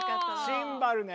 シンバルね。